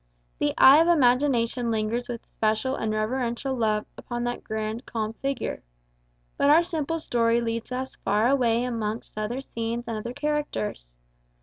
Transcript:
The eye of imagination lingers with special and reverential love upon that grand calm figure. But our simple story leads us far away amongst other scenes and other characters.